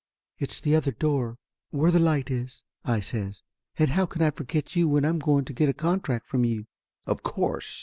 "It's the other door where the light is," I says. "And how can I forget you when I'm going to get a contract from you?" "Of course!"